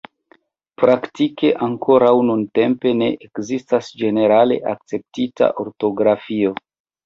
Praktike ankoraŭ nuntempe ne ekzistas ĝenerale akceptita ortografio.